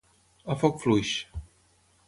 A foc fluix.